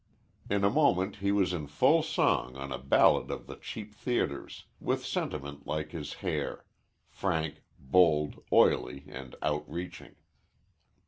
In a moment he was in full song on a ballad of the cheap theatres, with sentiment like his hair frank, bold, oily, and outreaching.